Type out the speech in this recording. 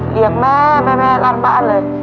เรียกแม่แม่แม่ร้านบ้านเลย